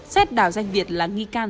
xét đảo danh việt là nghi cao